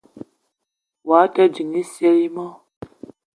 Wao te ding isa i mo?